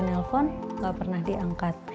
nelpon gak pernah diangkat